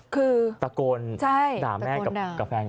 คือตะโกนด่าแม่กับแฟน